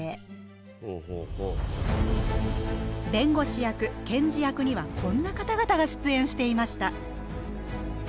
弁護士役検事役にはこんな方々が出演していました。